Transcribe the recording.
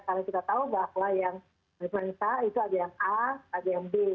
karena kita tahu bahwa yang influenza itu ada yang a ada yang b